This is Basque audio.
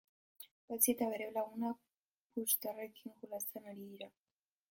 Patxi eta bere lagunak puxtarriekin jolasten ari dira.